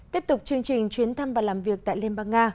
tiếp tục chương trình chuyến thăm và làm việc tại liên bang nga